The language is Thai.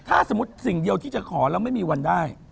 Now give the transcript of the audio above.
ถ้าสมมุติสิ่งเดียวที่จะขอแล้วไม่มีวันได้